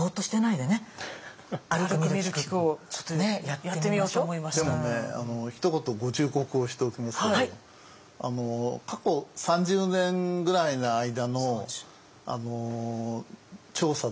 でもねひと言ご忠告をしておきますけど過去３０年ぐらいの間の調査だけでは面白くならないと思います。